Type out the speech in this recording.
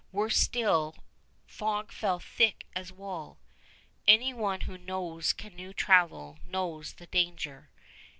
Worse still, fog fell thick as wool. Any one who knows canoe travel knows the danger.